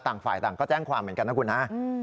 ต่างฝ่ายต่างก็แจ้งความเหมือนกันนะคุณฮะ